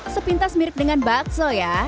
sepintas mirip dengan bakso ya